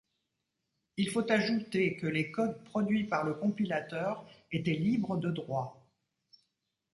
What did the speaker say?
Il faut ajouter que les codes produits par le compilateur étaient libres de droits.